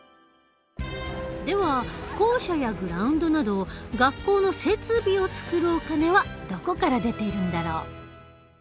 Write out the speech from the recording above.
では校舎やグラウンドなど学校の設備を作るお金はどこから出ているんだろう？